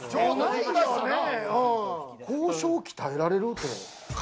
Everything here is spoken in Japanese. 交渉鍛えられるって。